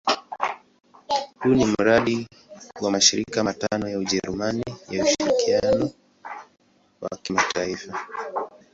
Huu ni mradi wa mashirika matano ya Ujerumani ya ushirikiano wa kimataifa.